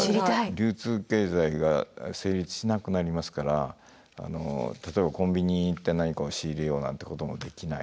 流通経済が成立しなくなりますから例えばコンビニに行って何かを仕入れようなんてこともできない。